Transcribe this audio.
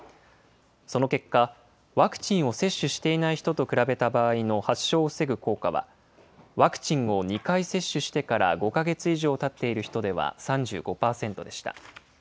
その結果、ワクチンを接種していない人と比べた場合の発症を防ぐ効果は、ワクチンを２回接種してから５か月以上たっている人では３５％でした。